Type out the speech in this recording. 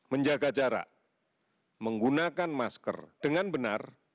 menjaga jarak menggunakan masker dengan benar